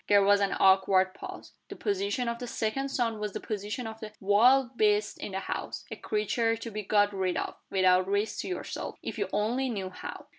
There was an awkward pause. The position of the second son was the position of a wild beast in the house a creature to be got rid of, without risk to yourself, if you only knew how.